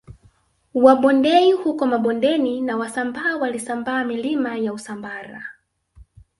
Wabondei huko Mabondeni na Wasambaa walisambaa milima ya Usambara